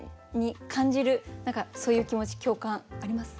何かそういう気持ち共感あります？